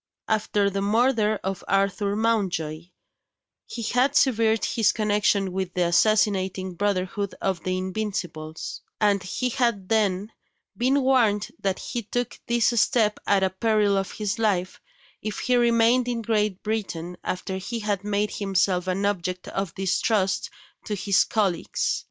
After the murder of Arthur Mountjoy, he had severed his connection with the assassinating brotherhood of the Invincibles; and he had then been warned that he took this step at the peril of his life, if he remained in Great Britain after he had made himself an object of distrust to his colleagues.